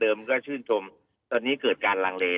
เดิมก็ชื่นทรมตอนนี้เกิดการรั่งเล